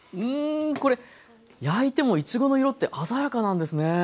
うんこれ焼いてもいちごの色って鮮やかなんですね。